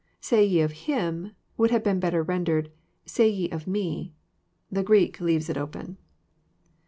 *' Say ye of him " would have been better rendered, " Say ye of Jjfe." The Greek leaves it open.